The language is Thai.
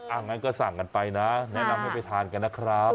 งั้นก็สั่งกันไปนะแนะนำให้ไปทานกันนะครับ